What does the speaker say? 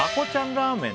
ラーメン